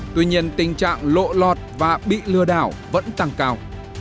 tuy nhiên tình trạng lộ lọt và bị lừa đảo vẫn tăng cao